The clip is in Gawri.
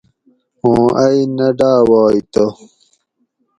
اوں ائ نہ ڈآوائ تہ